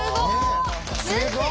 すごい！